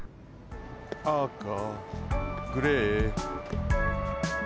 あかグレー。